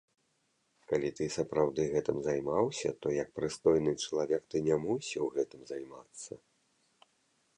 Калі ты сапраўды гэтым займаўся, то як прыстойны чалавек ты не мусіў гэтым займацца.